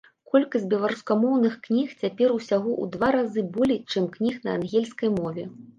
Колькасць беларускамоўных кніг цяпер усяго ў два разы болей, чым кніг на ангельскай мове.